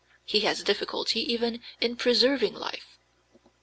He has difficulty even in preserving life.